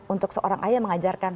untuk seorang ayah mengajarkan